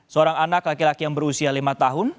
seorang anak laki laki yang berusia lima tahun